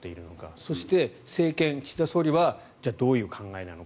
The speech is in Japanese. そして、政権岸田総理はどういう考えなのか。